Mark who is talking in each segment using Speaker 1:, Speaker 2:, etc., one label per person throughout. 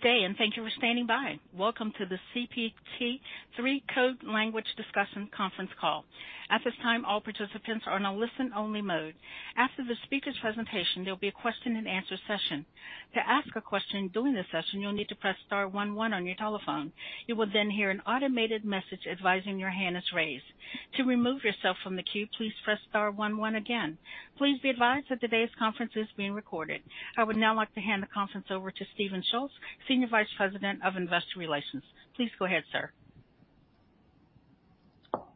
Speaker 1: Good day, and thank you for standing by. Welcome to the CPT III Code Language Discussion conference call. At this time, all participants are on a listen-only mode. After the speaker's presentation, there'll be a question and answer session. To ask a question during the session, you'll need to press star one one on your telephone. You will then hear an automated message advising your hand is raised. To remove yourself from the queue, please press star one one again. Please be advised that today's conference is being recorded. I would now like to hand the conference over to Stephen Schultz, Senior Vice President of Investor Relations. Please go ahead, sir.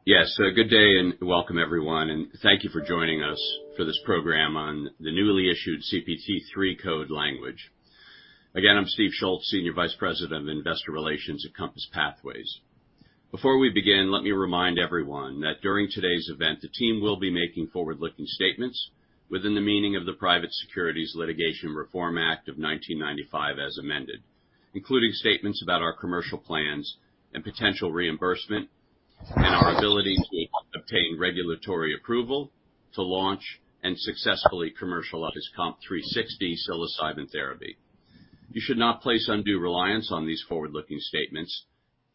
Speaker 2: Yes. Good day, and welcome, everyone, and thank you for joining us for this program on the newly issued CPT III code language. I'm Steve Schultz, Senior Vice President of Investor Relations at COMPASS Pathways. Before we begin, let me remind everyone that during today's event, the team will be making forward-looking statements within the meaning of the Private Securities Litigation Reform Act of 1995, as amended, including statements about our commercial plans and potential reimbursement, and our ability to obtain regulatory approval to launch and successfully commercialize COMP360 psilocybin therapy. You should not place undue reliance on these forward-looking statements.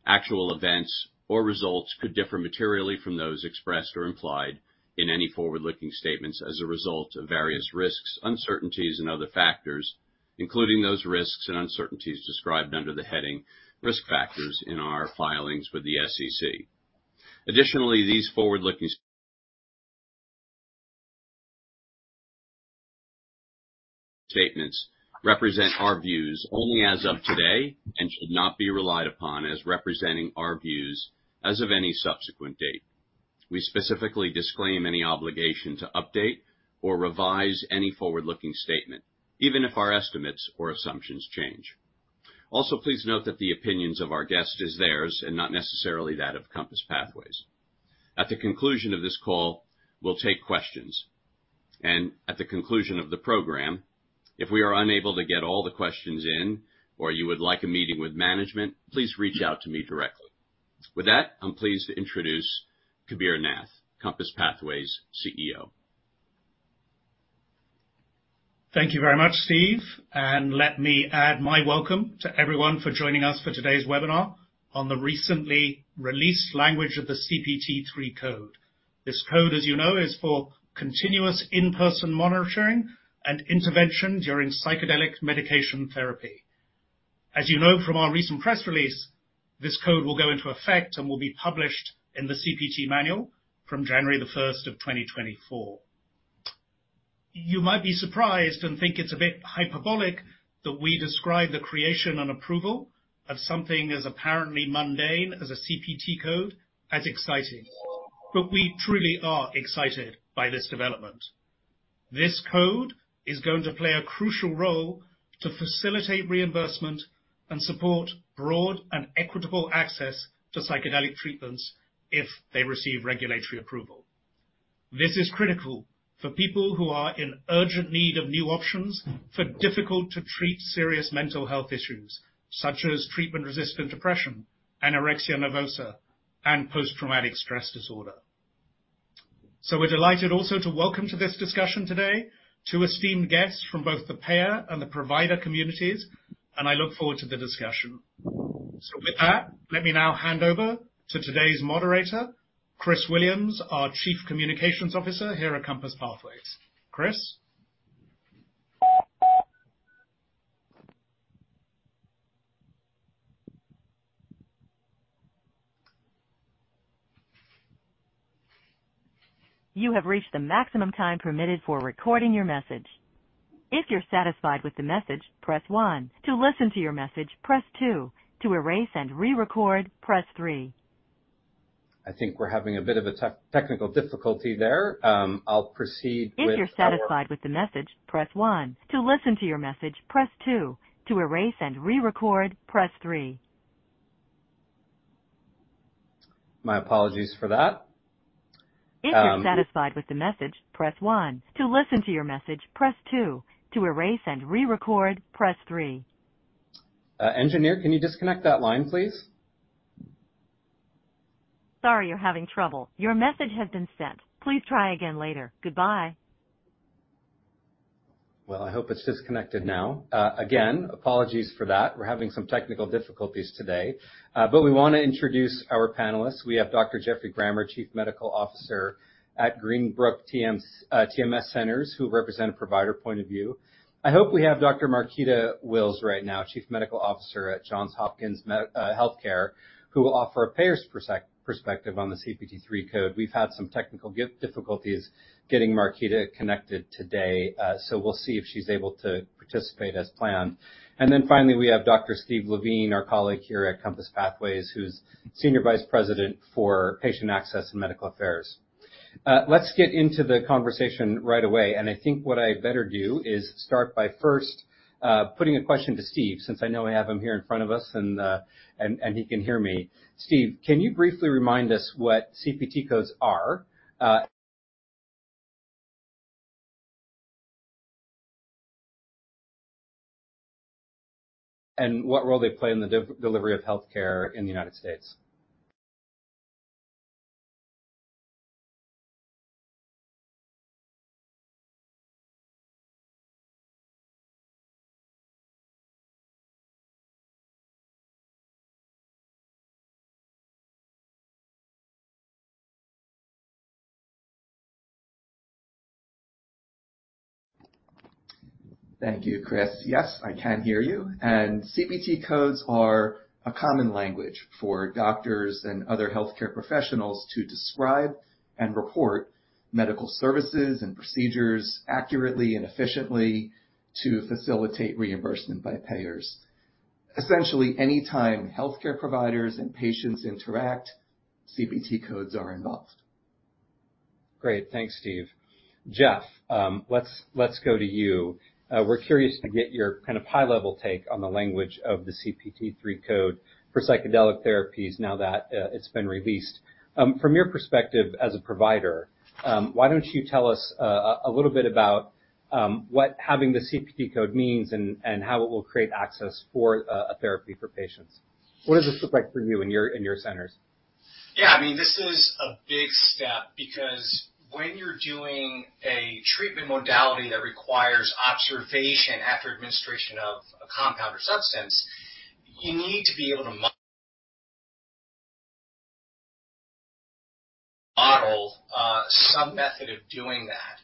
Speaker 2: Actual events or results could differ materially from those expressed or implied in any forward-looking statements as a result of various risks, uncertainties, and other factors, including those risks and uncertainties described under the heading Risk Factors in our filings with the SEC. Additionally, these forward-looking statements represent our views only as of today and should not be relied upon as representing our views as of any subsequent date. We specifically disclaim any obligation to update or revise any forward-looking statement, even if our estimates or assumptions change. Also, please note that the opinions of our guest is theirs and not necessarily that of COMPASS Pathways. At the conclusion of this call, we'll take questions, and at the conclusion of the program, if we are unable to get all the questions in, or you would like a meeting with management, please reach out to me directly. With that, I'm pleased to introduce Kabir Nath, COMPASS Pathways CEO.
Speaker 3: Thank you very much, Steve, and let me add my welcome to everyone for joining us for today's webinar on the recently released language of the CPT III code. This code, as you know, is for continuous in-person monitoring and intervention during psychedelic medication therapy. As you know from our recent press release, this code will go into effect and will be published in the CPT manual from January 1st, 2024. You might be surprised and think it's a bit hyperbolic that we describe the creation and approval of something as apparently mundane as a CPT code as exciting. We truly are excited by this development. This code is going to play a crucial role to facilitate reimbursement and support broad and equitable access to psychedelic treatments if they receive regulatory approval. This is critical for people who are in urgent need of new options for difficult-to-treat serious mental health issues, such as treatment-resistant depression, anorexia nervosa, and post-traumatic stress disorder. We're delighted also to welcome to this discussion today two esteemed guests from both the payer and the provider communities, and I look forward to the discussion. With that, let me now hand over to today's moderator, Chris Williams, our Chief Communications Officer here at COMPASS Pathways. Chris?
Speaker 1: You have reached the maximum time permitted for recording your message. If you're satisfied with the message, press one. To listen to your message, press two. To erase and rerecord, press three.
Speaker 4: I think we're having a bit of a tech, technical difficulty there. I'll proceed with.
Speaker 1: If you're satisfied with the message, press one. To listen to your message, press two. To erase and rerecord, press three.
Speaker 4: My apologies for that.
Speaker 1: If you're satisfied with the message, press one. To listen to your message, press two. To erase and rerecord, press three.
Speaker 4: Engineer, can you disconnect that line, please?
Speaker 1: Sorry you're having trouble. Your message has been sent. Please try again later. Goodbye.
Speaker 4: Well, I hope it's disconnected now. Again, apologies for that. We're having some technical difficulties today, but we want to introduce our panelists. We have Dr. Geoffrey Grammer, Chief Medical Officer at Greenbrook TMS Centers, who represent a provider point of view. I hope we have Dr. Marketa Wills right now, Chief Medical Officer at Johns Hopkins HealthCare, who will offer a payer's perspective on the CPT III code. We've had some technical difficulties getting Marketa connected today, we'll see if she's able to participate as planned. Finally, we have Dr. Steve Levine, our colleague here at COMPASS Pathways, who's Senior Vice President for Patient Access and Medical Affairs. Let's get into the conversation right away. I think what I better do is start by first putting a question to Steve, since I know I have him here in front of us, and he can hear me. Steve, can you briefly remind us what CPT codes are and what role they play in the delivery of healthcare in the United States?
Speaker 5: Thank you, Chris. Yes, I can hear you. CPT codes are a common language for doctors and other healthcare professionals to describe and report medical services and procedures accurately and efficiently to facilitate reimbursement by payers. Essentially, anytime healthcare providers and patients interact, CPT codes are involved.
Speaker 4: Great. Thanks, Steve. Jeff, let's go to you. We're curious to get your kind of high-level take on the language of the CPT III code for psychedelic therapies now that it's been released. From your perspective as a provider, why don't you tell us a little bit about what having the CPT code means and how it will create access for a therapy for patients? What does this look like for you in your centers?
Speaker 6: I mean, this is a big step because when you're doing a treatment modality that requires observation after administration of a compound or substance, you need to be able to model some method of doing that.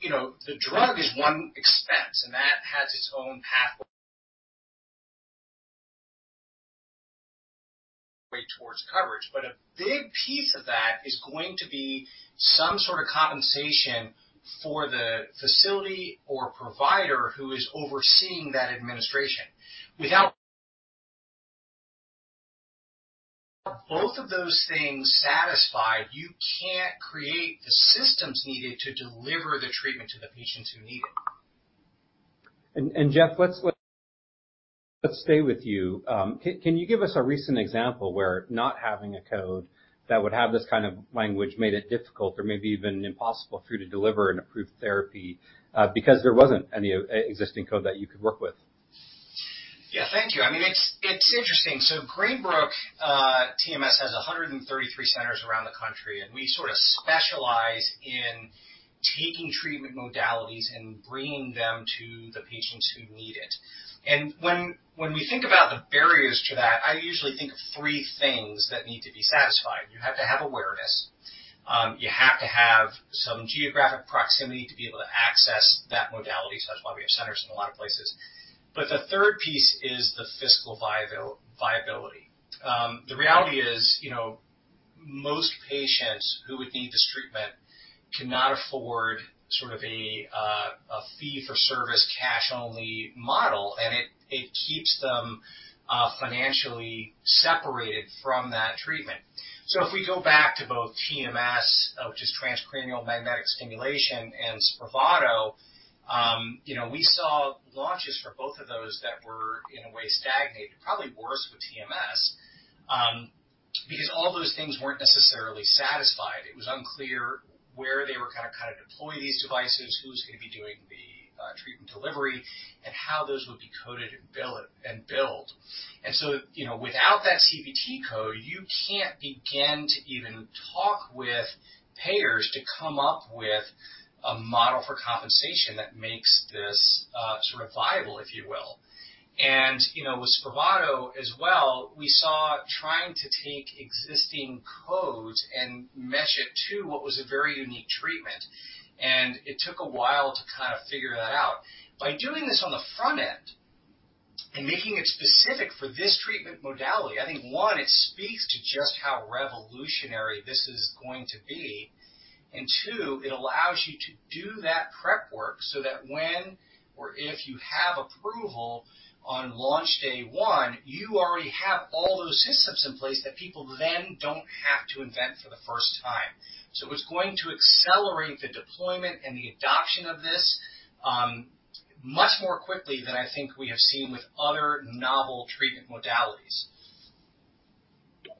Speaker 6: You know, the drug is one expense, and that has its own pathway towards coverage. A big piece of that is going to be some sort of compensation for the facility or provider who is overseeing that administration. Without- both of those things satisfied, you can't create the systems needed to deliver the treatment to the patients who need it.
Speaker 4: Jeff, let's stay with you. Can you give us a recent example where not having a code that would have this kind of language made it difficult or maybe even impossible for you to deliver an approved therapy because there wasn't any existing code that you could work with?
Speaker 6: Yeah, thank you. I mean, it's interesting. Greenbrook TMS has 133 centers around the country, and we sort of specialize in taking treatment modalities and bringing them to the patients who need it. When we think about the barriers to that, I usually think of three things that need to be satisfied. You have to have awareness, you have to have some geographic proximity to be able to access that modality. That's why we have centers in a lot of places. The third piece is the fiscal viability. The reality is, you know, most patients who would need this treatment cannot afford sort of a fee-for-service, cash-only model, and it keeps them financially separated from that treatment. If we go back to both TMS, which is transcranial magnetic stimulation, and Spravato, you know, we saw launches for both of those that were, in a way, stagnated, probably worse with TMS, because all those things weren't necessarily satisfied. It was unclear where they were gonna kind of deploy these devices, who's going to be doing the treatment delivery, and how those would be coded and billed. You know, without that CPT code, you can't begin to even talk with payers to come up with a model for compensation that makes this sort of viable, if you will. You know, with Spravato as well, we saw trying to take existing codes and match it to what was a very unique treatment, and it took a while to kind of figure that out. By doing this on the front end and making it specific for this treatment modality, I think, one, it speaks to just how revolutionary this is going to be, and two, it allows you to do that prep work so that when or if you have approval on launch day one, you already have all those systems in place that people then don't have to invent for the first time. It's going to accelerate the deployment and the adoption of this much more quickly than I think we have seen with other novel treatment modalities.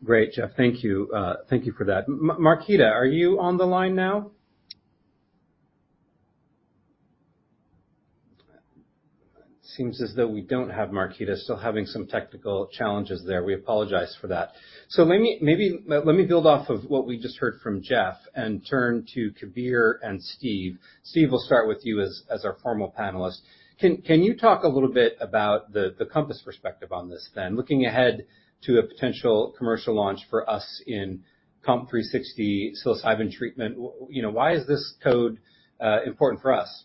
Speaker 4: Great, Jeff. Thank you. Thank you for that. Marketa, are you on the line now? Seems as though we don't have Marketa. Still having some technical challenges there. We apologize for that. Let me build off of what we just heard from Jeff and turn to Kabir and Steve. Steve, we'll start with you as our formal panelist. Can you talk a little bit about the COMPASS perspective on this, then? Looking ahead to a potential commercial launch for us in COMP360 psilocybin treatment, you know, why is this code important for us?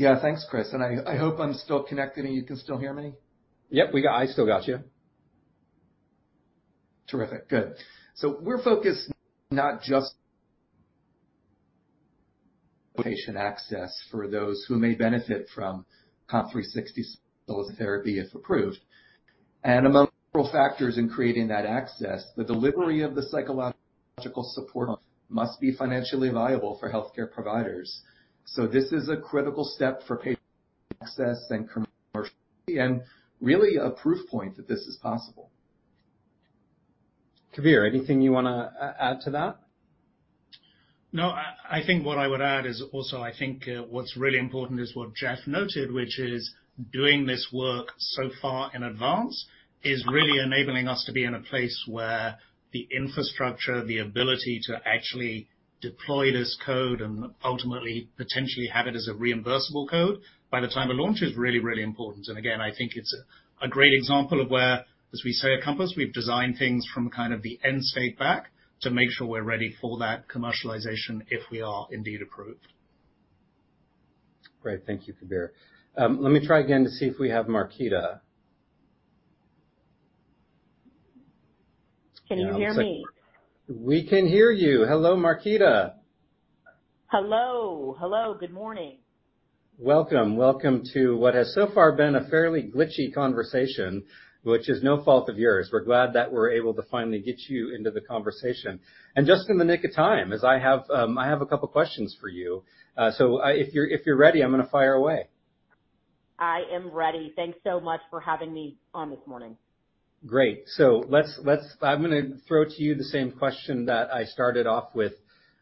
Speaker 5: Yeah, thanks, Chris, I hope I'm still connected, and you can still hear me.
Speaker 4: Yep, I still got you.
Speaker 5: Terrific. Good. We're focused patient access for those who may benefit from COMP360 psilocybin therapy, if approved. Among several factors in creating that access, the delivery of the psychological support must be financially viable for healthcare providers. This is a critical step for patient access and commercially, and really a proof point that this is possible.
Speaker 4: Kabir, anything you wanna add to that?
Speaker 3: No, I think what I would add is also, I think, what's really important is what Jeff noted, which is doing this work so far in advance is really enabling us to be in a place where the infrastructure, the ability to actually deploy this code and ultimately potentially have it as a reimbursable code by the time a launch is really, really important. Again, I think it's a great example of where, as we say, at COMPASS, we've designed things from kind of the end state back to make sure we're ready for that commercialization if we are indeed approved.
Speaker 4: Great. Thank you, Kabir. Let me try again to see if we have Marketa.
Speaker 7: Can you hear me?
Speaker 4: We can hear you. Hello, Marketa.
Speaker 7: Hello. Hello, good morning.
Speaker 4: Welcome. Welcome to what has so far been a fairly glitchy conversation, which is no fault of yours. We're glad that we're able to finally get you into the conversation, and just in the nick of time, as I have, I have a couple questions for you. If you're ready, I'm going to fire away.
Speaker 7: I am ready. Thanks so much for having me on this morning.
Speaker 4: Great. Let's I'm gonna throw to you the same question that I started off with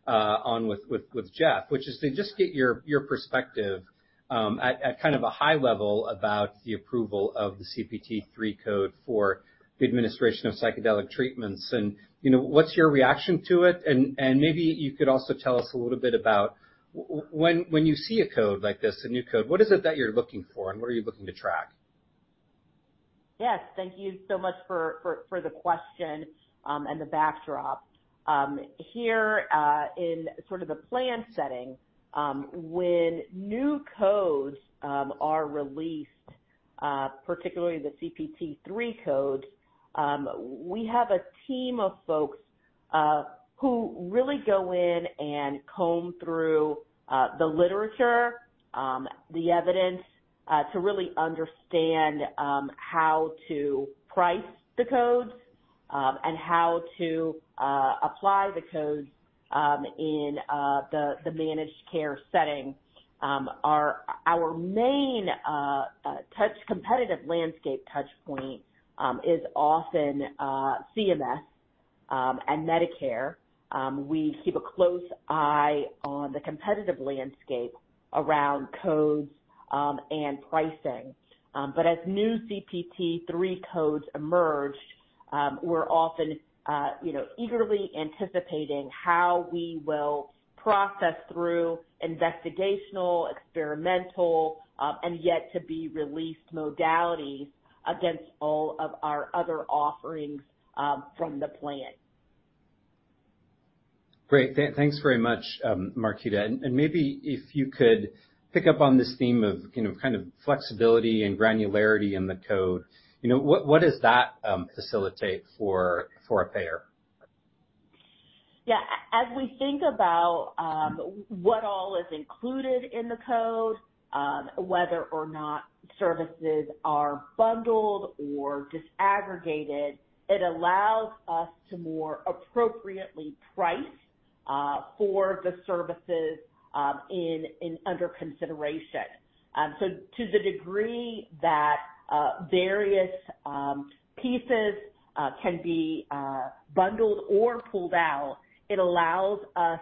Speaker 4: on with Jeff, which is to just get your perspective at a high level about the approval of the CPT III code for the administration of psychedelic treatments. You know, what's your reaction to it? Maybe you could also tell us a little bit about when you see a code like this, a new code, what is it that you're looking for, and what are you looking to track?
Speaker 7: Yes. Thank you so much for the question and the backdrop. Here, in sort of the plan setting, when new codes are released, particularly the CPT III codes, we have a team of folks who really go in and comb through the literature, the evidence, to really understand how to price the codes and how to apply the codes in the managed care setting. Our main touch competitive landscape touch point is often CMS and Medicare. We keep a close eye on the competitive landscape around codes and pricing. As new CPT III codes emerge, we're often eagerly anticipating how we will process through investigational, experimental, and yet to be released modalities against all of our other offerings from the plan.
Speaker 4: Great. Thanks very much, Marketa. Maybe if you could pick up on this theme of, you know, kind of flexibility and granularity in the code, you know, what does that facilitate for a payer?
Speaker 7: As we think about what all is included in the code, whether or not services are bundled or disaggregated, it allows us to more appropriately price for the services under consideration. To the degree that various pieces can be bundled or pulled out, it allows us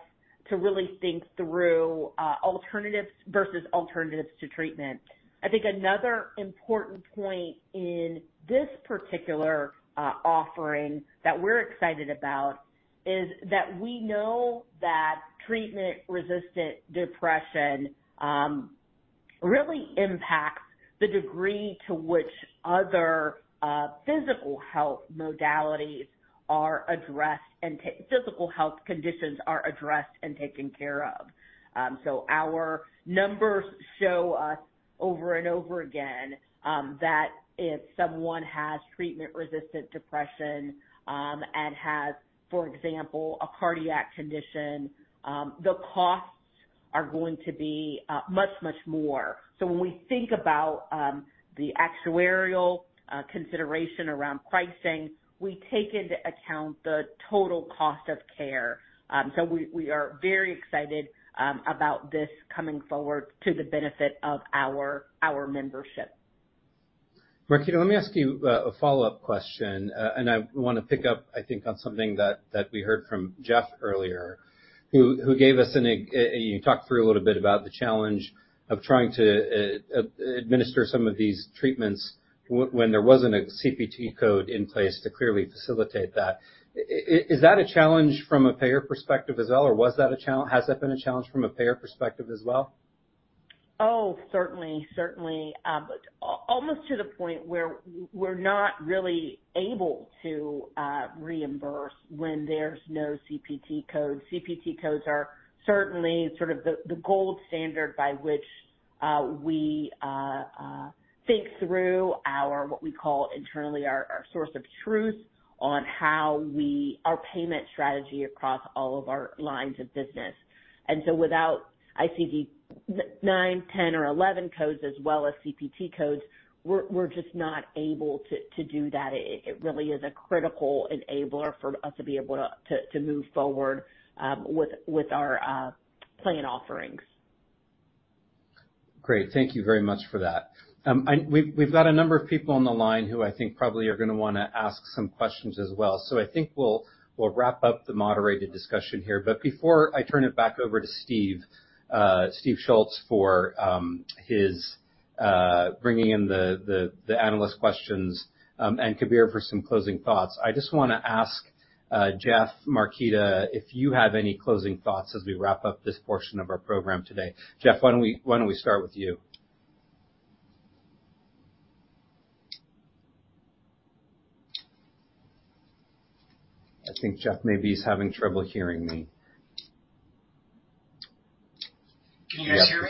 Speaker 7: to really think through alternatives versus alternatives to treatment. I think another important point in this particular offering that we're excited about is that we know that treatment-resistant depression really impacts the degree to which other physical health modalities are addressed, and physical health conditions are addressed and taken care of. Our numbers show us over and over again that if someone has treatment-resistant depression, and has, for example, a cardiac condition, the costs are going to be much more. When we think about the actuarial consideration around pricing, we take into account the total cost of care. We are very excited about this coming forward to the benefit of our membership.
Speaker 4: Marketa, let me ask you a follow-up question. I want to pick up, I think, on something that we heard from Jeffrey earlier, who talked through a little bit about the challenge of trying to administer some of these treatments when there wasn't a CPT code in place to clearly facilitate that. Is that a challenge from a payer perspective as well, or has that been a challenge from a payer perspective as well?
Speaker 7: Oh, certainly. Almost to the point where we're not really able to reimburse when there's no CPT code. CPT codes are certainly sort of the gold standard by which we think through our, what we call internally, our source of truth on how we Our payment strategy across all of our lines of business. Without ICD-9, 10, or 11 codes, as well as CPT codes, we're just not able to do that. It really is a critical enabler for us to be able to move forward with our plan offerings....
Speaker 4: Great. Thank you very much for that. We, we've got a number of people on the line who I think probably are gonna wanna ask some questions as well. I think we'll wrap up the moderated discussion here. But before I turn it back over to Stephen Schultz, for his bringing in the analyst questions, and Kabir for some closing thoughts. I just wanna ask Jeff, Marketa, if you have any closing thoughts as we wrap up this portion of our program today. Jeff, why don't we, why don't we start with you? I think Jeff maybe is having trouble hearing me.
Speaker 6: Can you guys hear me?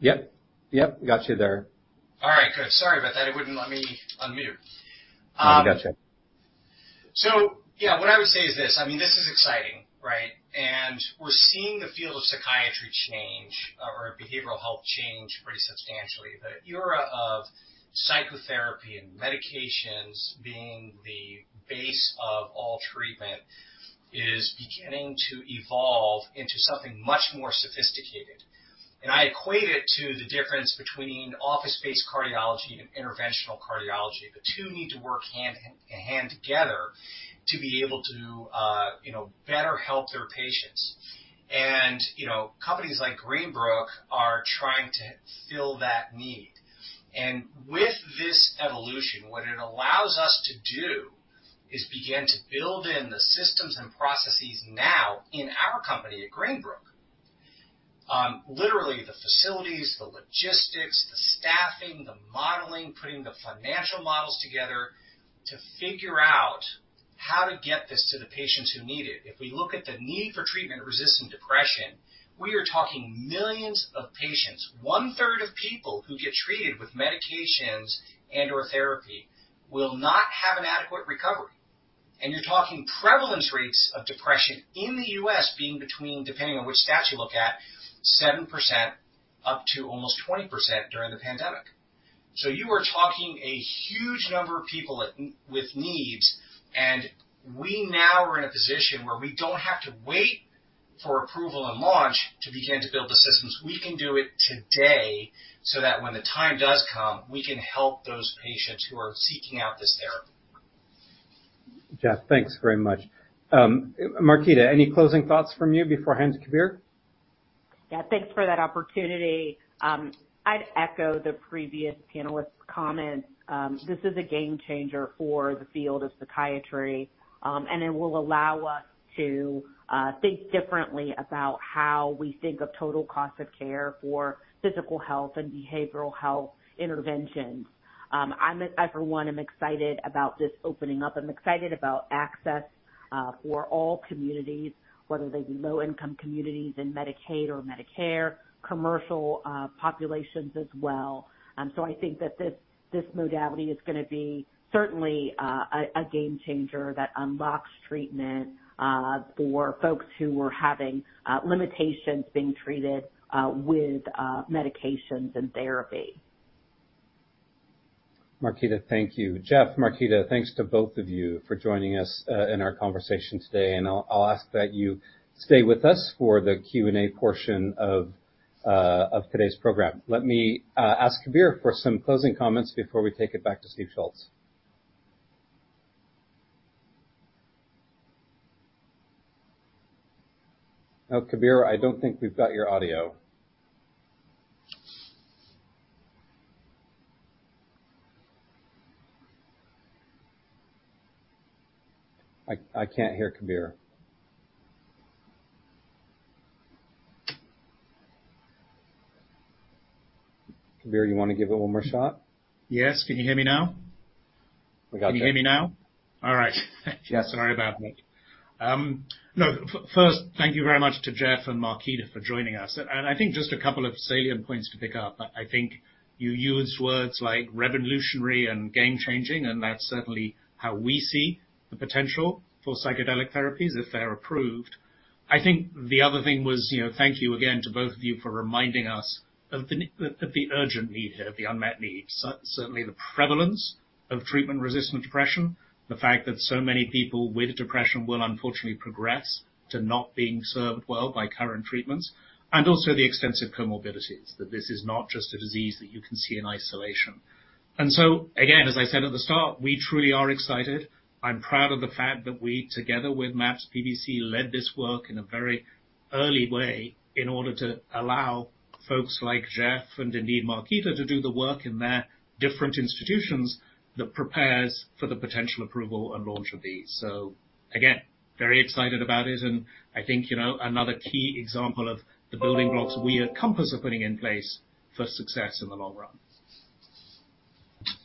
Speaker 4: Yep. Yep, got you there.
Speaker 6: All right, good. Sorry about that. It wouldn't let me unmute.
Speaker 4: We got you.
Speaker 6: Yeah, what I would say is this: I mean, this is exciting, right? We're seeing the field of psychiatry change or behavioral health change pretty substantially. The era of psychotherapy and medications being the base of all treatment is beginning to evolve into something much more sophisticated. I equate it to the difference between office-based cardiology and interventional cardiology. The two need to work hand in hand together to be able to, you know, better help their patients. You know, companies like Greenbrook are trying to fill that need. With this evolution, what it allows us to do is begin to build in the systems and processes now in our company at Greenbrook. Literally, the facilities, the logistics, the staffing, the modeling, putting the financial models together to figure out how to get this to the patients who need it. If we look at the need for treatment-resistant depression, we are talking millions of patients. One third of people who get treated with medications and/or therapy will not have an adequate recovery. You're talking prevalence rates of depression in the U.S. being between, depending on which stat you look at, 7% up to almost 20% during the pandemic. You are talking a huge number of people with needs, and we now are in a position where we don't have to wait for approval and launch to begin to build the systems. We can do it today, so that when the time does come, we can help those patients who are seeking out this therapy.
Speaker 4: Jeff, thanks very much. Marketa, any closing thoughts from you before I hand to Kabir?
Speaker 7: Yeah, thanks for that opportunity. I'd echo the previous panelists' comments. This is a game changer for the field of psychiatry. It will allow us to think differently about how we think of total cost of care for physical health and behavioral health interventions. I'm, for one, am excited about this opening up. I'm excited about access for all communities, whether they be low-income communities in Medicaid or Medicare, commercial populations as well. I think that this modality is gonna be certainly a game changer that unlocks treatment for folks who were having limitations being treated with medications and therapy.
Speaker 4: Marketa, thank you. Jeff, Marketa, thanks to both of you for joining us in our conversation today. I'll ask that you stay with us for the Q&A portion of today's program. Let me ask Kabir for some closing comments before we take it back to Steve Schultz. Oh, Kabir, I don't think we've got your audio. I can't hear Kabir. Kabir, you want to give it one more shot?
Speaker 3: Yes. Can you hear me now?
Speaker 4: We got you.
Speaker 3: Can you hear me now? All right.
Speaker 4: Yes.
Speaker 3: Sorry about that. Thank you very much to Jeff and Marketa for joining us. I think just a couple of salient points to pick up. I think you used words like revolutionary and game changing, and that's certainly how we see the potential for psychedelic therapies if they're approved. I think the other thing was, you know, thank you again to both of you for reminding us of the urgent need here, the unmet need. Certainly, the prevalence of treatment-resistant depression, the fact that so many people with depression will unfortunately progress to not being served well by current treatments, and also the extensive comorbidities, that this is not just a disease that you can see in isolation. Again, as I said at the start, we truly are excited. I'm proud of the fact that we, together with MAPS PBC, led this work in a very early way in order to allow folks like Jeff and indeed Marketa, to do the work in their different institutions that prepares for the potential approval and launch of these. Again, very excited about it. I think, you know, another key example of the building blocks we at COMPASS are putting in place for success in the long run.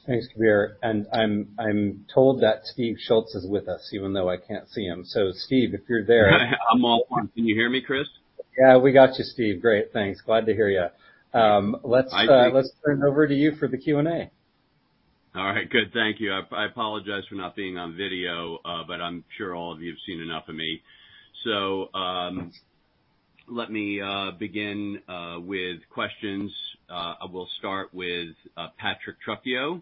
Speaker 4: Thanks, Kabir. I'm told that Steve Schultz is with us, even though I can't see him. Steve, if you're there-
Speaker 2: I'm all on. Can you hear me, Chris?
Speaker 4: Yeah, we got you, Steve. Great, thanks. Glad to hear you. Let's.
Speaker 2: I think-
Speaker 4: Let's turn over to you for the Q&A.
Speaker 2: All right, good. Thank you. I apologize for not being on video, but I'm sure all of you have seen enough of me. Let me begin with questions. I will start with Patrick Trucchio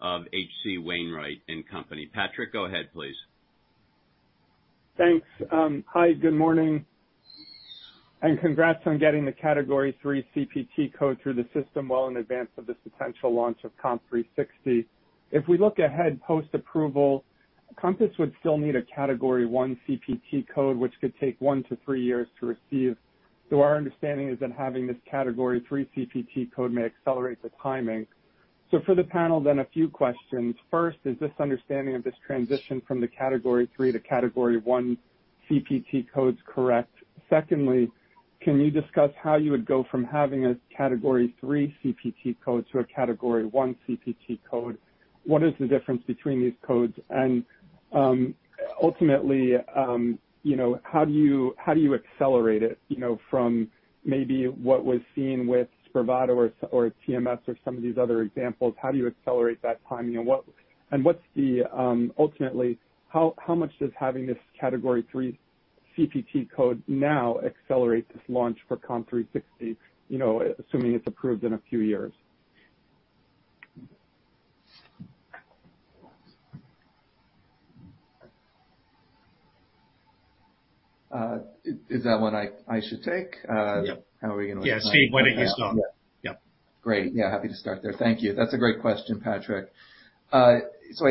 Speaker 2: of H.C. Wainwright & Co. Patrick, go ahead, please.
Speaker 8: Thanks. Hi, good morning, congrats on getting the Category III CPT code through the system well in advance of the substantial launch of COMP360. If we look ahead, post-approval, Compass would still need a Category I CPT code, which could take 1-3 years to receive. Our understanding is that having this Category III CPT code may accelerate the timing. For the panel, a few questions. First, is this understanding of this transition from the Category III to Category I CPT codes correct? Secondly, can you discuss how you would go from having a Category III CPT code to a Category I CPT code? What is the difference between these codes? Ultimately, you know, how do you, how do you accelerate it, you know, from maybe what was seen with Spravato or TMS or some of these other examples, how do you accelerate that timing? Ultimately, how much does having this Category III CPT code now accelerate this launch for COMP360, you know, assuming it's approved in a few years?
Speaker 5: Is that one I should take?
Speaker 3: Yep.
Speaker 5: How are we going to-
Speaker 3: Steve, why don't you start? Yep.
Speaker 5: Great. Yeah, happy to start there. Thank you. That's a great question, Patrick. I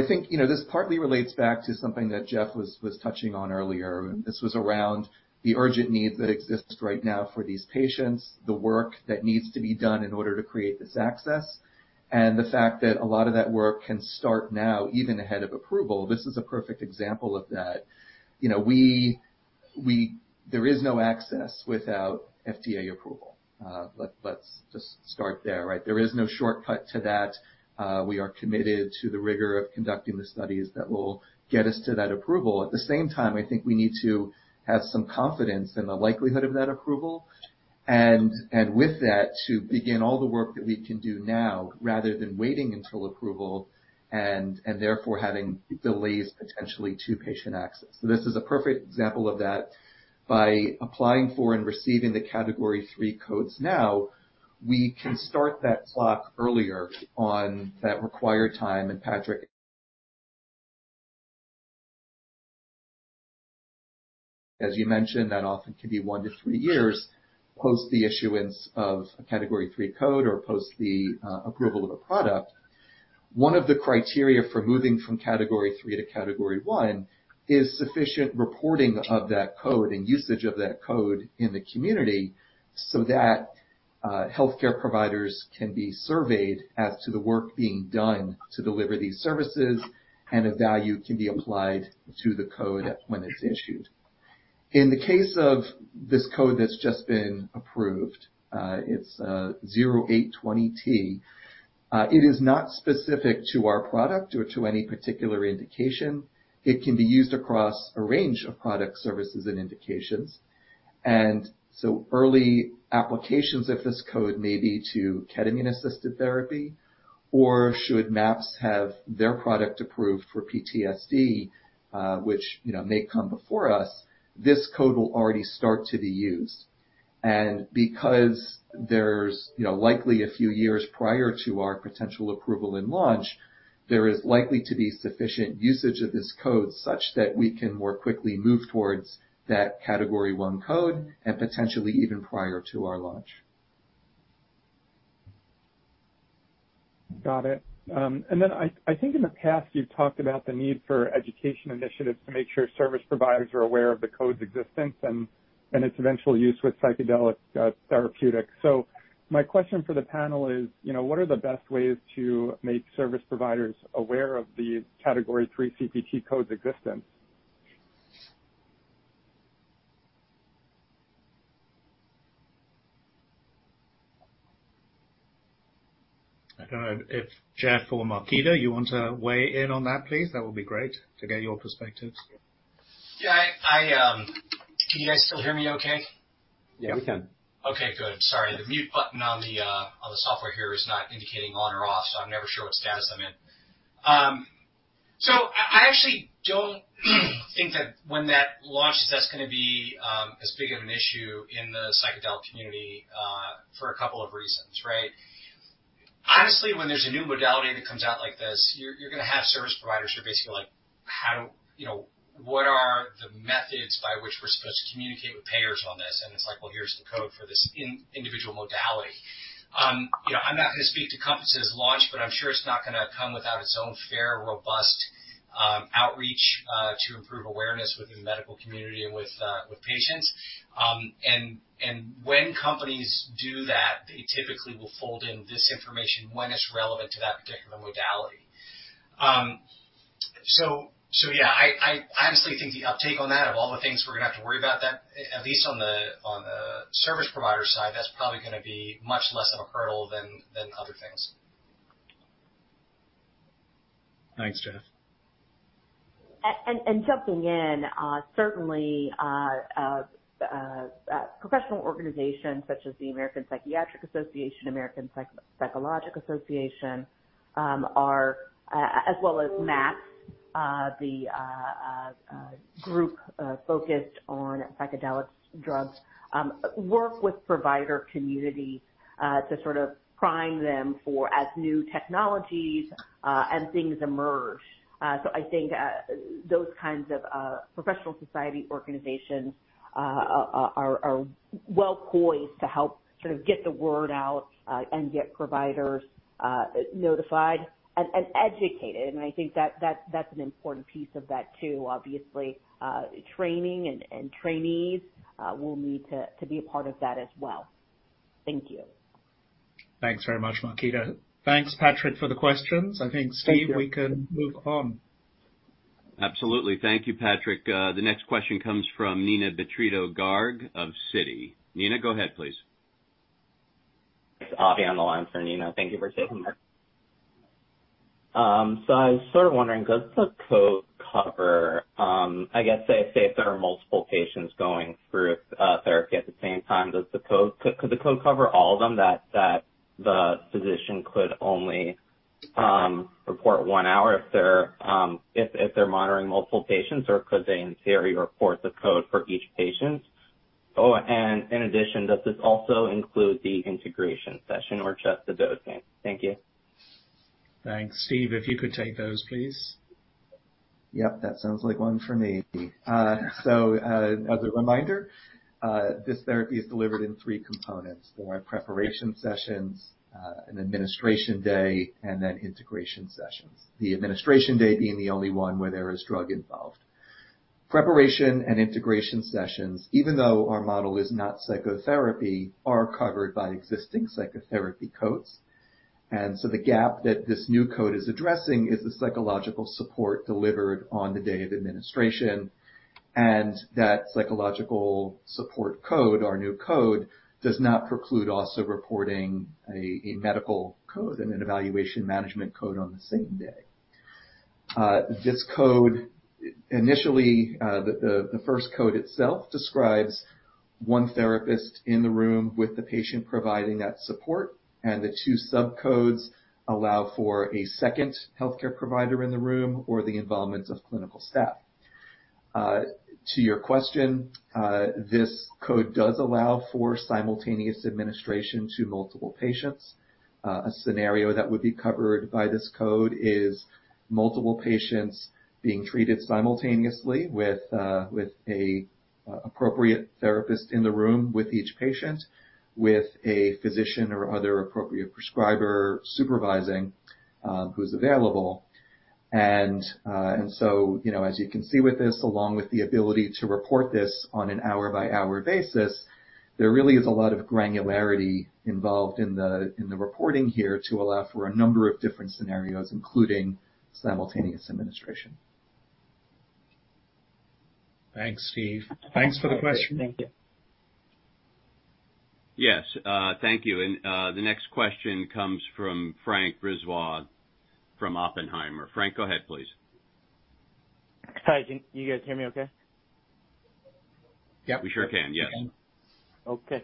Speaker 5: think, you know, this partly relates back to something that Jeff was touching on earlier. This was around the urgent need that exists right now for these patients, the work that needs to be done in order to create this access, and the fact that a lot of that work can start now, even ahead of approval. This is a perfect example of that. You know, there is no access without FDA approval. Let's just start there, right? There is no shortcut to that. We are committed to the rigor of conducting the studies that will get us to that approval. At the same time, I think we need to have some confidence in the likelihood of that approval, and with that, to begin all the work that we can do now, rather than waiting until approval and therefore having delays potentially to patient access. This is a perfect example of that. By applying for and receiving the Category III codes now, we can start that clock earlier on that required time. Patrick, as you mentioned, that often can be 1 to 3 years, post the issuance of a Category III code or post the approval of a product. One of the criteria for moving from Category III to Category I is sufficient reporting of that code and usage of that code in the community, so that healthcare providers can be surveyed as to the work being done to deliver these services, and a value can be applied to the code when it's issued. In the case of this code that's just been approved, it's 0820T. It is not specific to our product or to any particular indication. It can be used across a range of product services and indications. Early applications of this code may be to ketamine-assisted therapy, or should MAPS have their product approved for PTSD, which, you know, may come before us, this code will already start to be used. Because there's, you know, likely a few years prior to our potential approval and launch, there is likely to be sufficient usage of this code such that we can more quickly move towards that Category I code and potentially even prior to our launch.
Speaker 8: Got it. I think in the past, you've talked about the need for education initiatives to make sure service providers are aware of the code's existence and its eventual use with psychedelic therapeutics. My question for the panel is: You know, what are the best ways to make service providers aware of the Category III CPT code's existence?
Speaker 3: I don't know if Jeff or Marketa, you want to weigh in on that, please? That would be great to get your perspectives.
Speaker 6: Yeah, I... Can you guys still hear me okay?
Speaker 3: Yeah, we can.
Speaker 6: Okay, good. Sorry. The mute button on the on the software here is not indicating on or off, so I'm never sure what status I'm in. So I actually don't think that when that launches, that's going to be as big of an issue in the psychedelic community for a couple of reasons, right? Honestly, when there's a new modality that comes out like this, you're going to have service providers who are basically like: You know, what are the methods by which we're supposed to communicate with payers on this? It's like, well, here's the code for this individual modality. You know, I'm not going to speak to COMPASS's launch, but I'm sure it's not going to come without its own fair, robust, outreach to improve awareness within the medical community and with patients. When companies do that, they typically will fold in this information when it's relevant to that particular modality. Yeah, I honestly think the uptake on that, of all the things we're going to have to worry about, that at least on the service provider side, that's probably going to be much less of a hurdle than other things.
Speaker 8: Thanks, Jeff.
Speaker 7: Jumping in, certainly, professional organizations such as the American Psychiatric Association, American Psychological Association, are as well as MAPS. ... the group focused on psychedelic drugs, work with provider community to sort of prime them for as new technologies and things emerge. I think those kinds of professional society organizations are well poised to help sort of get the word out and get providers notified and educated. I think that's an important piece of that, too. Obviously, training and trainees will need to be a part of that as well. Thank you.
Speaker 3: Thanks very much, Marketa. Thanks, Patrick, for the questions. I think, Steve, we can move on.
Speaker 2: Absolutely. Thank you, Patrick. The next question comes from Neena Bitritto-Garg of Citi. Neena, go ahead, please.
Speaker 9: It's Avi on the line for Neena. Thank you for taking me. I was sort of wondering, does the code cover, I guess, if there are multiple patients going through therapy at the same time, could the code cover all of them that the physician could only report one hour if they're if they're monitoring multiple patients? Or could they, in theory, report the code for each patient? In addition, does this also include the integration session or just the dosing? Thank you.
Speaker 3: Thanks, Steve, if you could take those, please.
Speaker 5: Yep, that sounds like one for me. As a reminder, this therapy is delivered in three components: the preparation sessions, an administration day, and then integration sessions. The administration day being the only one where there is drug involved. Preparation and integration sessions, even though our model is not psychotherapy, are covered by existing psychotherapy codes. The gap that this new code is addressing is the psychological support delivered on the day of administration, and that psychological support code, our new code, does not preclude also reporting a medical code and an evaluation management code on the same day. This code, initially, the first code itself describes one therapist in the room with the patient providing that support, and the two subcodes allow for a second healthcare provider in the room or the involvement of clinical staff. To your question, this code does allow for simultaneous administration to multiple patients. A scenario that would be covered by this code is multiple patients being treated simultaneously with a appropriate therapist in the room, with each patient, with a physician or other appropriate prescriber supervising, who's available. You know, as you can see with this, along with the ability to report this on an hour-by-hour basis, there really is a lot of granularity involved in the reporting here to allow for a number of different scenarios, including simultaneous administration.
Speaker 3: Thanks, Steve. Thanks for the question.
Speaker 9: Thank you.
Speaker 2: Yes, thank you. The next question comes from François Brisebois, from Oppenheimer. Frank, go ahead, please.
Speaker 10: Hi, can you guys hear me okay?
Speaker 3: Yep.
Speaker 2: We sure can. Yes.
Speaker 10: Okay.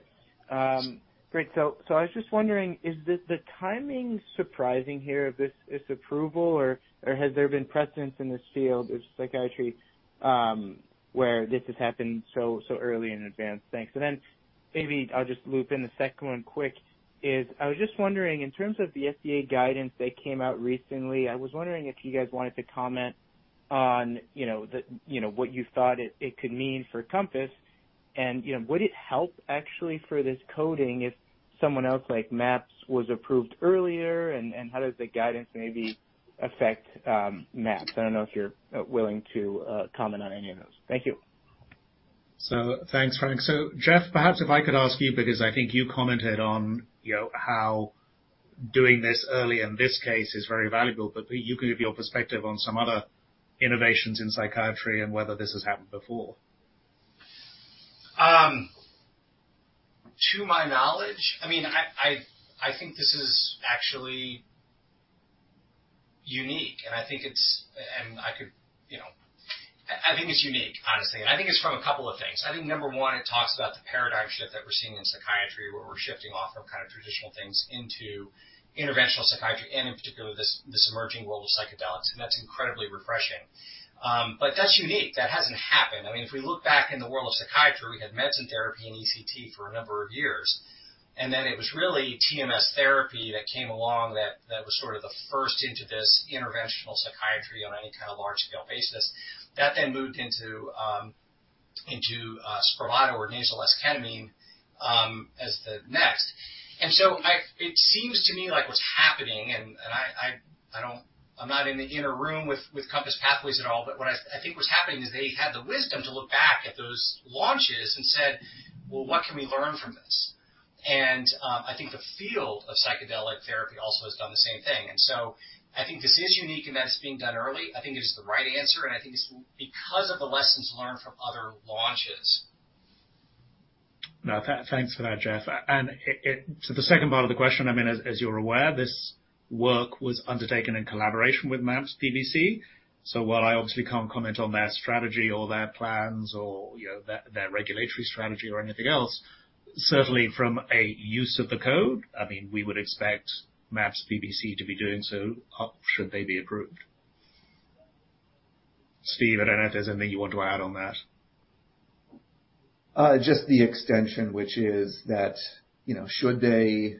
Speaker 10: Great. I was just wondering, is the timing surprising here of this approval, or has there been precedence in this field of psychiatry, where this has happened so early in advance? Thanks. Maybe I'll just loop in the second one quick, is I was just wondering, in terms of the FDA guidance that came out recently, I was just wondering if you guys wanted to comment on, you know, what you thought it could mean for COMPASS. You know, would it help actually for this coding if someone else, like MAPS, was approved earlier? How does the guidance maybe affect MAPS? I don't know if you're willing to comment on any of those. Thank you.
Speaker 3: Thanks, Frank. Jeff, perhaps if I could ask you, because I think you commented on, you know, how doing this early in this case is very valuable, but you can give your perspective on some other innovations in psychiatry and whether this has happened before.
Speaker 6: to my knowledge, I mean, I think this is actually unique, and I think it's unique, honestly. I think it's from a couple of things. I think, number 1, it talks about the paradigm shift that we're seeing in psychiatry, where we're shifting off from kind of traditional things into interventional psychiatry and in particular, this emerging role of psychedelics. That's incredibly refreshing. That's unique. That hasn't happened. I mean, if we look back in the world of psychiatry, we had medicine therapy and ECT for a number of years, it was really TMS therapy that came along that was sort of the first into this interventional psychiatry on any kind of large-scale basis. That then moved into into Spravato or nasal esketamine as the next. It seems to me like what's happening, I'm not in the inner room with COMPASS Pathways at all, but what I think what's happening is they had the wisdom to look back at those launches and said, "Well, what can we learn from this?" I think the field of psychedelic therapy also has done the same thing. I think this is unique and that it's being done early. I think it is the right answer, and I think it's because of the lessons learned from other launches.
Speaker 3: Thanks for that, Jeff. It the second part of the question, I mean, as you're aware, this work was undertaken in collaboration with MAPS PBC. While I obviously can't comment on their strategy or their plans or, you know, their regulatory strategy or anything else. Certainly from a use of the code, I mean, we would expect MAPS PBC to be doing so, should they be approved. Steve, I don't know if there's anything you want to add on that?
Speaker 10: Just the extension, which is that, you know, should they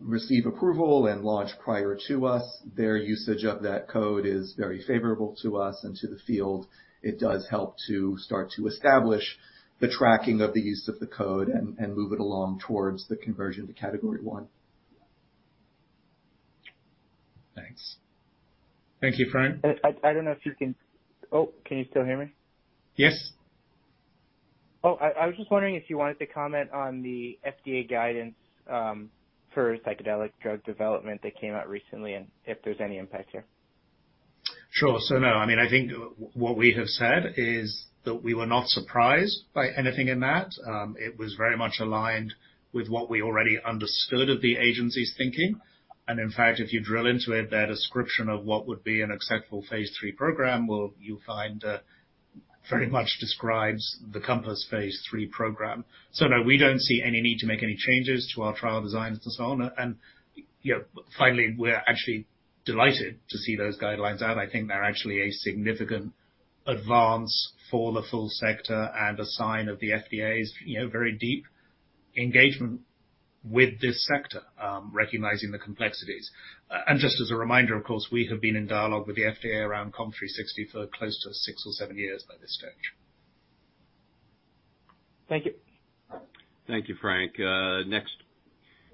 Speaker 10: receive approval and launch prior to us, their usage of that code is very favorable to us and to the field. It does help to start to establish the tracking of the use of the code and move it along towards the conversion to Category I.
Speaker 3: Thanks. Thank you, Frank.
Speaker 10: Oh, can you still hear me?
Speaker 3: Yes.
Speaker 10: I was just wondering if you wanted to comment on the FDA guidance for psychedelic drug development that came out recently, and if there's any impact here?
Speaker 3: Sure. No, I mean, I think what we have said is that we were not surprised by anything in that. It was very much aligned with what we already understood of the agency's thinking. In fact, if you drill into it, their description of what would be an acceptable phase 3 program, well, you'll find very much describes the COMPASS phase 3 program. No, we don't see any need to make any changes to our trial designs and so on. Finally, we're actually delighted to see those guidelines out. I think they're actually a significant advance for the full sector and a sign of the FDA's, you know, very deep engagement with this sector, recognizing the complexities. Just as a reminder, of course, we have been in dialogue with the FDA around COMP360 for close to six or seven years by this stage.
Speaker 10: Thank you.
Speaker 2: Thank you, Frank. Next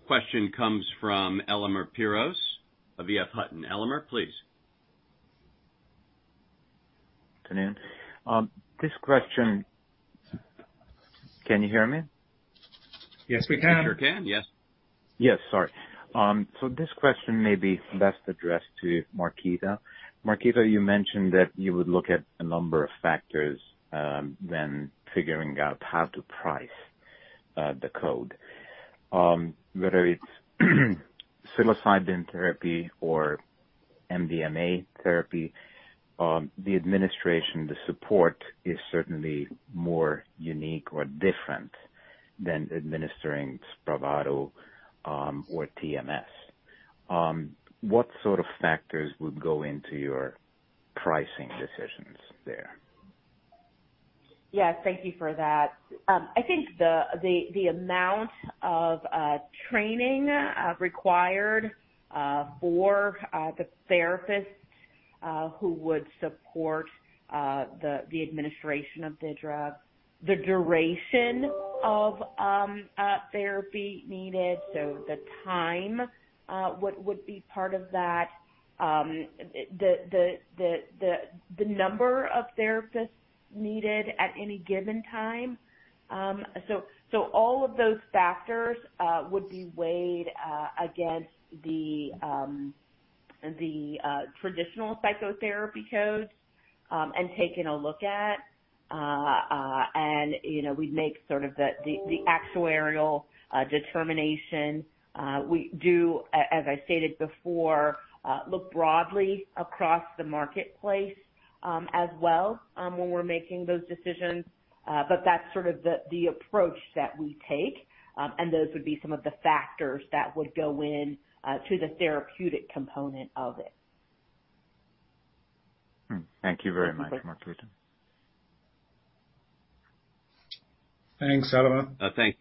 Speaker 2: question comes from Elemer Piros of EF Hutton. Elemer, please.
Speaker 11: Good afternoon. This question... Can you hear me?
Speaker 3: Yes, we can.
Speaker 2: We sure can, yes.
Speaker 11: Yes. Sorry. This question may be best addressed to Marketa. Marketa, you mentioned that you would look at a number of factors when figuring out how to price the code. Whether it's psilocybin therapy or MDMA therapy, the administration, the support is certainly more unique or different than administering Spravato or TMS. What sort of factors would go into your pricing decisions there?
Speaker 7: Yes, thank you for that. I think the amount of training required for the therapists who would support the administration of the drug, the duration of therapy needed, so the time, what would be part of that, the number of therapists needed at any given time. All of those factors would be weighed against the traditional psychotherapy codes and taken a look at. You know, we'd make sort of the actuarial determination. We do, as I stated before, look broadly across the marketplace as well when we're making those decisions. That's sort of the approach that we take. Those would be some of the factors that would go in to the therapeutic component of it.
Speaker 11: Hmm. Thank you very much, Marketa.
Speaker 3: Thanks, Elemer.
Speaker 2: Thank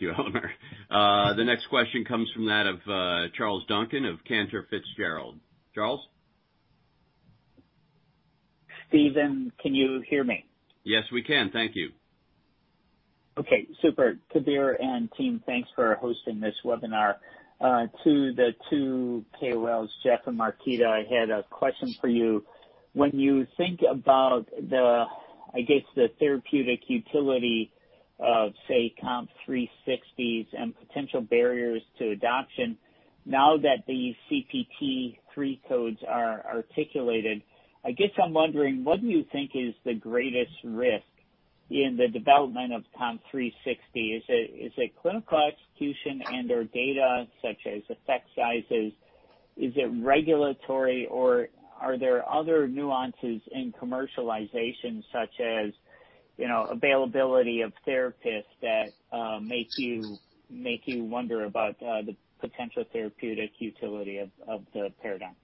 Speaker 2: you, Elemer. The next question comes from that of Charles Duncan of Cantor Fitzgerald. Charles?
Speaker 12: Stephen, can you hear me?
Speaker 2: Yes, we can. Thank you.
Speaker 12: Okay, super. Kabir and team, thanks for hosting this webinar. To the two KOLs, Jeff and Marketa, I had a question for you. When you think about the, I guess, the therapeutic utility of, say, COMP360s and potential barriers to adoption, now that the CPT III codes are articulated, I guess I'm wondering: What do you think is the greatest risk in the development of COMP360? Is it, is it clinical execution and/or data, such as effect sizes? Is it regulatory, or are there other nuances in commercialization, such as, you know, availability of therapists that makes you wonder about the potential therapeutic utility of the paradigm?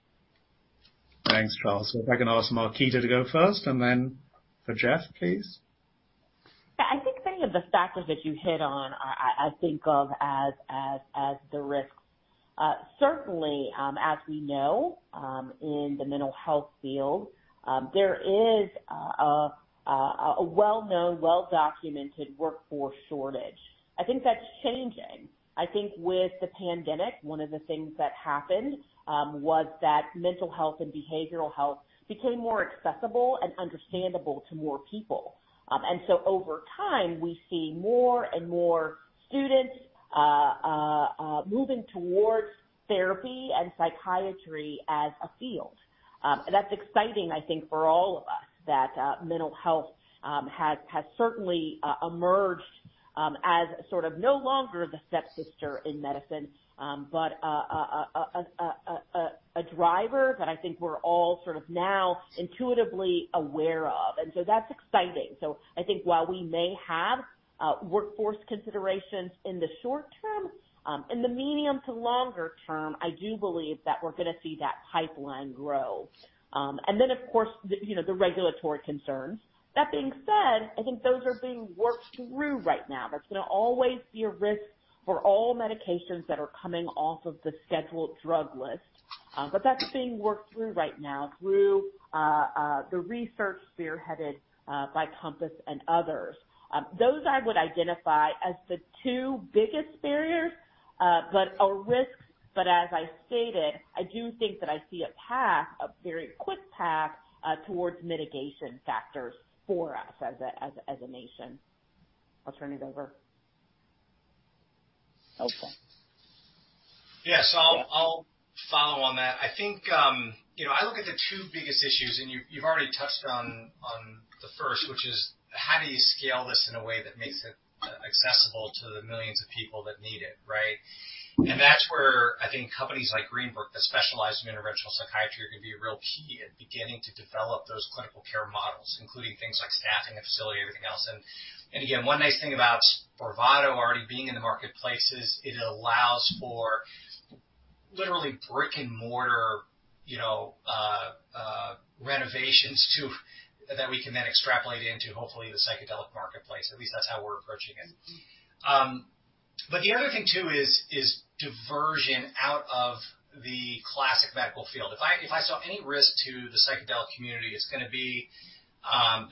Speaker 3: Thanks, Charles. If I can ask Marketa to go first, and then for Jeff, please.
Speaker 7: I think many of the factors that you hit on are. I think of as the risks. Certainly, in the mental health field, there is a well-known, well-documented workforce shortage. I think that's changing. I think with the pandemic, one of the things that happened was that mental health and behavioral health became more accessible and understandable to more people. Over time, we see more and more students moving towards therapy and psychiatry as a field. That's exciting, I think, for all of us, that mental health has certainly emerged. As sort of no longer the stepsister in medicine, but a driver that I think we're all sort of now intuitively aware of, and so that's exciting. I think while we may have workforce considerations in the short term, in the medium to longer term, I do believe that we're going to see that pipeline grow. Then, of course, the, you know, the regulatory concerns. That being said, I think those are being worked through right now. That's going to always be a risk for all medications that are coming off of the scheduled drug list. That's being worked through right now through the research spearheaded by COMPASS and others. Those I would identify as the two biggest barriers, but a risk, but as I stated, I do think that I see a path, a very quick path, towards mitigation factors for us as a nation. I'll turn it over.
Speaker 12: Okay.
Speaker 6: Yes.
Speaker 12: Yeah.
Speaker 6: I'll follow on that. I think, you know, I look at the two biggest issues, you've already touched on the first, which is: How do you scale this in a way that makes it accessible to the millions of people that need it, right?
Speaker 12: Mm-hmm.
Speaker 6: That's where I think companies like Greenbrook, that specialize in interventional psychiatry, are going to be a real key in beginning to develop those clinical care models, including things like staffing, a facility, everything else. Again, one nice thing about Spravato already being in the marketplace is it allows for literally brick-and-mortar, you know, renovations to. That we can then extrapolate into, hopefully, the psychedelic marketplace. At least that's how we're approaching it. The other thing, too, is diversion out of the classic medical field. If I saw any risk to the psychedelic community, it's going to be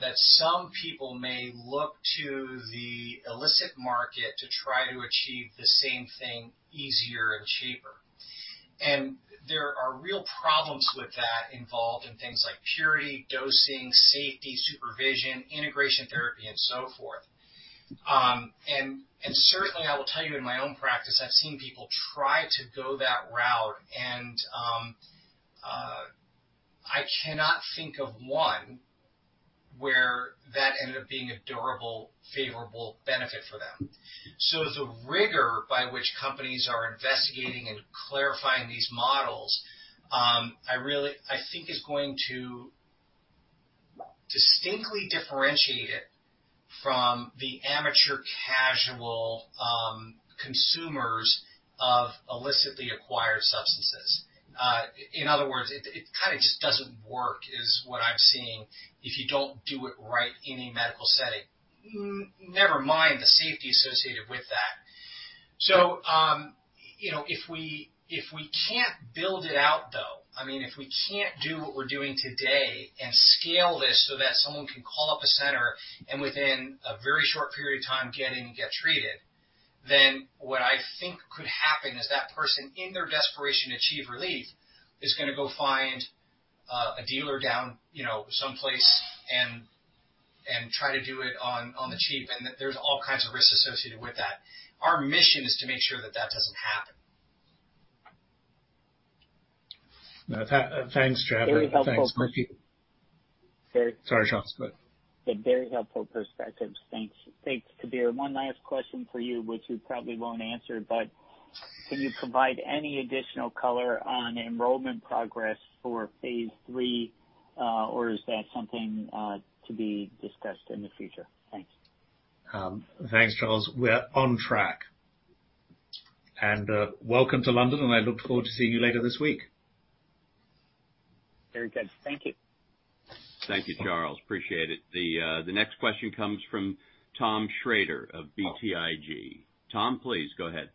Speaker 6: that some people may look to the illicit market to try to achieve the same thing easier and cheaper. There are real problems with that involved in things like purity, dosing, safety, supervision, integration therapy, and so forth. Certainly, I will tell you, in my own practice, I've seen people try to go that route, and I cannot think of one where that ended up being a durable, favorable benefit for them. The rigor by which companies are investigating and clarifying these models, I think is going to distinctly differentiate it from the amateur, casual, consumers of illicitly acquired substances. In other words, it kind of just doesn't work, is what I'm seeing, if you don't do it right in a medical setting, never mind the safety associated with that. you know, if we can't build it out, though, I mean, if we can't do what we're doing today and scale this so that someone can call up a center and within a very short period of time, get in and get treated, then what I think could happen is that person, in their desperation to achieve relief, is going to go find a dealer down, you know, someplace and try to do it on the cheap, and that there's all kinds of risks associated with that. Our mission is to make sure that that doesn't happen.
Speaker 3: Thanks, Trevor.
Speaker 12: Very helpful.
Speaker 3: Thanks. Sorry, Charles, go ahead.
Speaker 12: A very helpful perspective. Thanks. Thanks, Kabir. One last question for you, which you probably won't answer, but can you provide any additional color on enrollment progress for phase III, or is that something to be discussed in the future? Thanks.
Speaker 3: Thanks, Charles. We're on track. Welcome to London, and I look forward to seeing you later this week.
Speaker 12: Very good. Thank you.
Speaker 2: Thank you, Charles. Appreciate it. The next question comes from Tom Shrader of BTIG. Tom, please go ahead.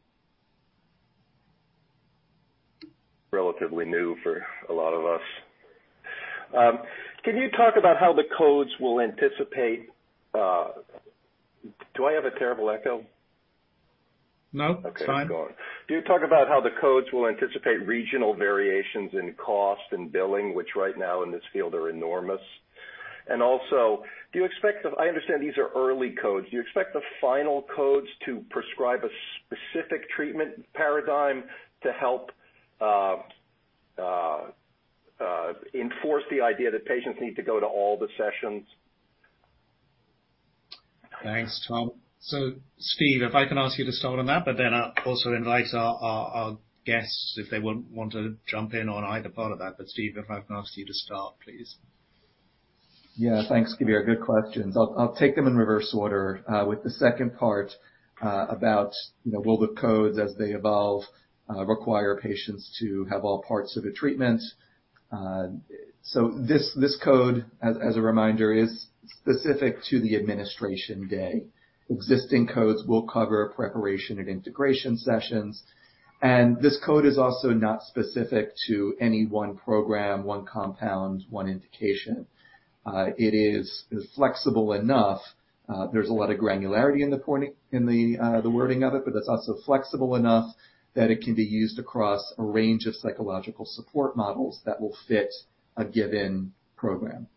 Speaker 13: Relatively new for a lot of us. Can you talk about how the codes will anticipate? Do I have a terrible echo? No, it's fine. Okay, go on. Can you talk about how the codes will anticipate regional variations in cost and billing, which right now in this field are enormous? Also, do you expect the... I understand these are early codes. Do you expect the final codes to prescribe a specific treatment paradigm to help enforce the idea that patients need to go to all the sessions?
Speaker 3: Thanks, Tom. Steve, if I can ask you to start on that, but then I'll also invite our guests if they want to jump in on either part of that. Steve, if I can ask you to start, please.
Speaker 5: Yeah. Thanks, Kabir. Good questions. I'll take them in reverse order, with the second part, about, you know, will the codes, as they evolve, require patients to have all parts of a treatment? This code, as a reminder, is specific to the administration day. Existing codes will cover preparation and integration sessions. This code is also not specific to any one program, one compound, one indication. It's flexible enough. There's a lot of granularity in the wording of it. It's also flexible enough that it can be used across a range of psychological support models that will fit a given program.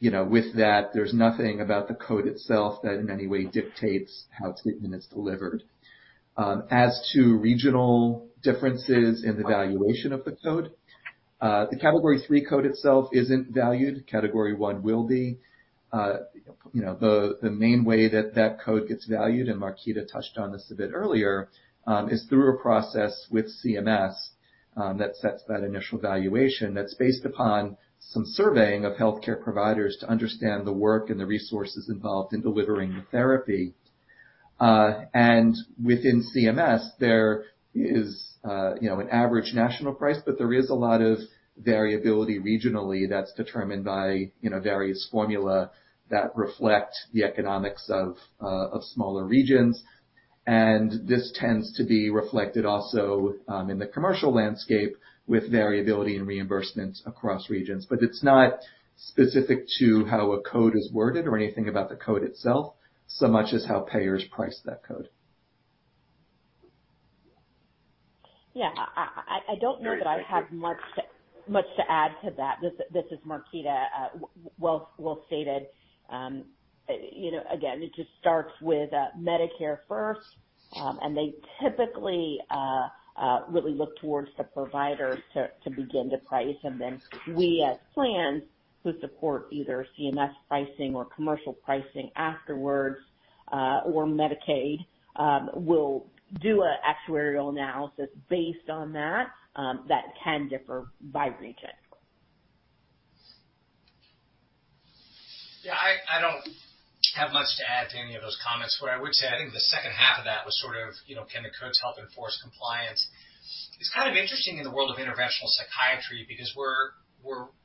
Speaker 5: You know, with that, there's nothing about the code itself that in any way dictates how it's admin is delivered. As to regional differences in the valuation of the Category III code itself isn't valued. Category I will be. You know, the main way that that code gets valued, and Marketa touched on this a bit earlier, is through a process with CMS that sets that initial valuation that's based upon some surveying of healthcare providers to understand the work and the resources involved in delivering the therapy. Within CMS, there is, you know, an average national price, but there is a lot of variability regionally that's determined by, you know, various formula that reflect the economics of smaller regions. This tends to be reflected also in the commercial landscape, with variability in reimbursements across regions. It's not specific to how a code is worded or anything about the code itself, so much as how payers price that code.
Speaker 7: Yeah. I don't know that I have much to add to that. This is Marketa. Well stated. You know, again, it just starts with Medicare first. They typically, really look towards the provider to begin to price. Then we, as plans, who support either CMS pricing or commercial pricing afterwards, or Medicaid, will do an actuarial analysis based on that can differ by region.
Speaker 6: Yeah, I don't have much to add to any of those comments. What I would say, I think the second half of that was sort of, you know, can the codes help enforce compliance? It's kind of interesting in the world of interventional psychiatry because we're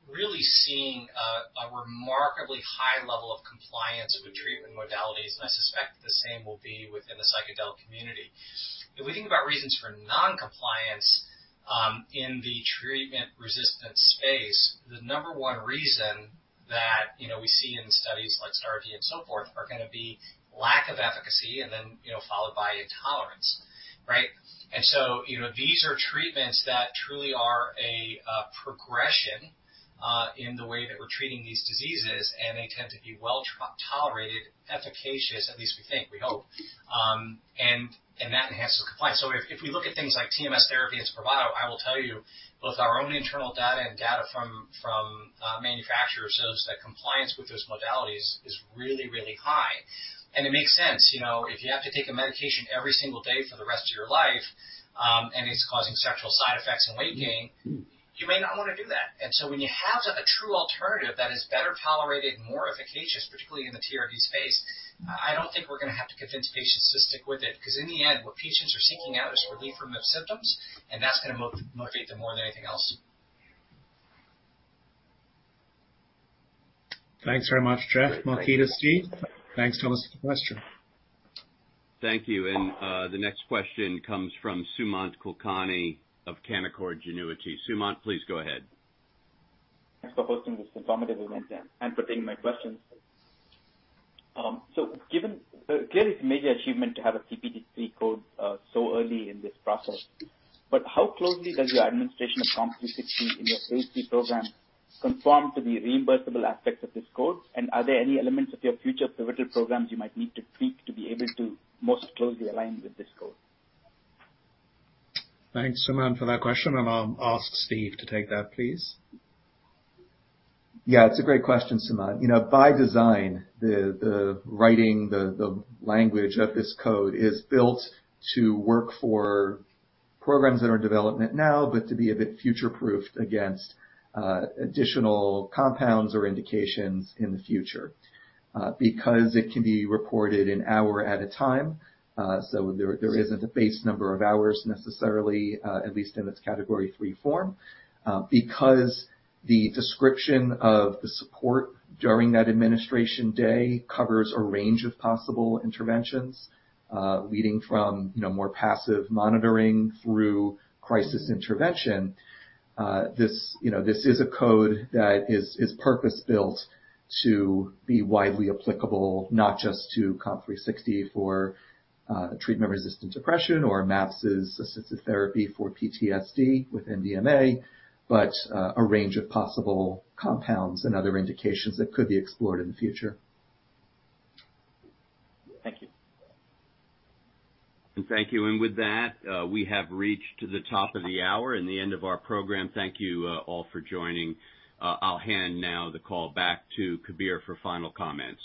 Speaker 6: really seeing a remarkably high level of compliance with treatment modalities, and I suspect the same will be within the psychedelic community. If we think about reasons for non-compliance in the treatment-resistant space, the number one reason that, you know, we see in studies like STAR*D and so forth, are gonna be lack of efficacy and then, you know, followed by intolerance, right? You know, these are treatments that truly are a progression in the way that we're treating these diseases, and they tend to be well tolerated, efficacious, at least we think, we hope. That enhances compliance. If we look at things like TMS therapy and Spravato, I will tell you, both our own internal data and data from manufacturers shows that compliance with those modalities is really high. It makes sense. You know, if you have to take a medication every single day for the rest of your life, and it's causing sexual side effects and weight gain, you may not want to do that. When you have a true alternative that is better tolerated and more efficacious, particularly in the TRD space, I don't think we're gonna have to convince patients to stick with it. In the end, what patients are seeking out is relief from their symptoms, and that's gonna motivate them more than anything else.
Speaker 3: Thanks very much, Jeff. Marketa, Steve. Thanks, Thomas Westminster.
Speaker 2: Thank you. The next question comes from Sumant Kulkarni of Canaccord Genuity. Sumant, please go ahead.
Speaker 14: Thanks for hosting this informative event and for taking my questions. Clearly, it's a major achievement to have a CPT III code so early in this process, but how closely does your administration of COMP360 in your phase 3 program conform to the reimbursable aspects of this code? Are there any elements of your future pivotal programs you might need to tweak to be able to most closely align with this code?
Speaker 3: Thanks, Sumant, for that question, and I'll ask Steve to take that, please.
Speaker 5: Yeah, it's a great question, Sumant. You know, by design, the writing, the language of this code is built to work for programs that are in development now, but to be a bit future-proofed against additional compounds or indications in the future. It can be reported an hour at a time, so there isn't a base number of hours necessarily, at least in its Category III form. The description of the support during that administration day covers a range of possible interventions, leading from, you know, more passive monitoring through crisis intervention. This, you know, this is a code that is purpose-built to be widely applicable, not just to COMP360 for treatment-resistant depression or MAPS's assisted therapy for PTSD with MDMA, but a range of possible compounds and other indications that could be explored in the future.
Speaker 14: Thank you.
Speaker 2: Thank you. With that, we have reached the top of the hour and the end of our program. Thank you, all, for joining. I'll hand now the call back to Kabir for final comments.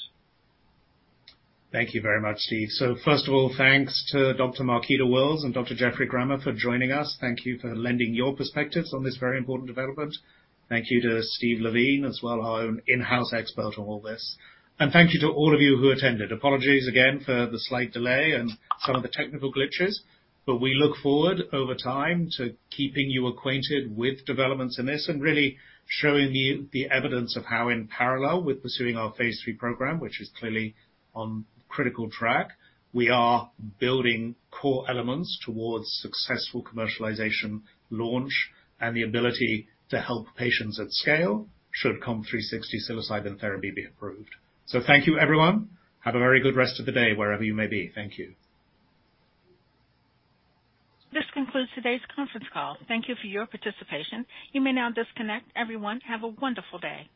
Speaker 3: Thank you very much, Steve. First of all, thanks to Dr. Marketa Wills and Dr. Geoffrey Grammer for joining us. Thank you for lending your perspectives on this very important development. Thank you to Steve Levine as well, our own in-house expert on all this. Thank you to all of you who attended. Apologies again for the slight delay and some of the technical glitches, we look forward over time to keeping you acquainted with developments in this and really showing you the evidence of how, in parallel with pursuing our phase 3 program, which is clearly on critical track, we are building core elements towards successful commercialization, launch, and the ability to help patients at scale should COMP360 psilocybin therapy be approved. Thank you, everyone. Have a very good rest of the day, wherever you may be. Thank you.
Speaker 7: This concludes today's conference call. Thank you for your participation. You may now disconnect. Everyone, have a wonderful day.